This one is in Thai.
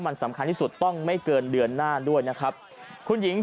มันสำคัญที่สุดต้องไม่เกินเดือนหน้าด้วยนะครับคุณหญิง